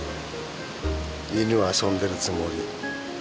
犬は遊んでるつもり。